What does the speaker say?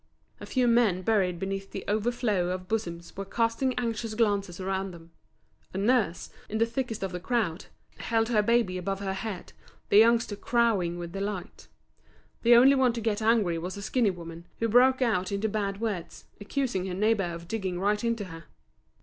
A few men buried beneath the overflow of bosoms were casting anxious glances around them. A nurse, in the thickest of the crowd, held her baby above her head, the youngster crowing with delight. The only one to get angry was a skinny woman, who broke out into bad words, accusing her neighbour of digging right into her.